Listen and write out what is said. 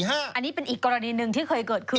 อันนี้เป็นอีกกรณีหนึ่งที่เคยเกิดขึ้น